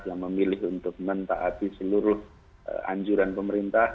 yang memilih untuk mentaati seluruh anjuran pemerintah